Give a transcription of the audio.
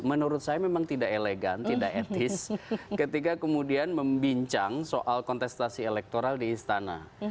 menurut saya memang tidak elegan tidak etis ketika kemudian membincang soal kontestasi elektoral di istana